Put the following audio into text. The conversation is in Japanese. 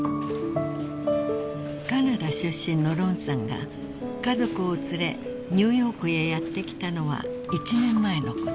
［カナダ出身のロンさんが家族を連れニューヨークへやって来たのは１年前のこと］